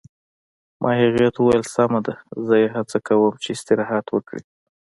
ما هغې ته وویل: سمه ده، زه یې هڅه کوم چې استراحت وکړي.